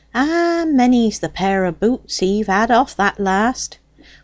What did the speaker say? Ah, many's the pair o' boots he've had off the last!